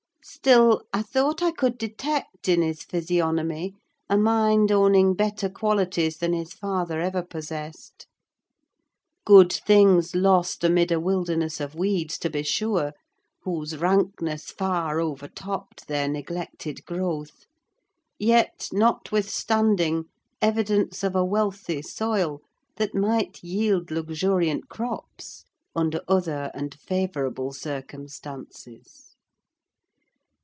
Still, I thought I could detect in his physiognomy a mind owning better qualities than his father ever possessed. Good things lost amid a wilderness of weeds, to be sure, whose rankness far over topped their neglected growth; yet, notwithstanding, evidence of a wealthy soil, that might yield luxuriant crops under other and favourable circumstances.